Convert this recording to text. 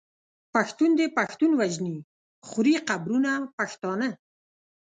پښتون دی پښتون وژني خوري قبرونه پښتانه